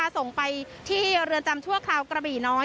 ส่งไปที่เรือนจำชั่วคราวกระบี่น้อย